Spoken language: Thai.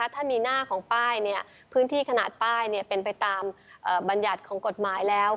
ถ้ามีหน้าของป้ายพื้นที่ขนาดป้ายเป็นไปตามบรรยัติของกฎหมายแล้ว